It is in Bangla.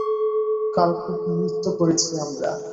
কাল খুব নৃত্য করেছি আমরা।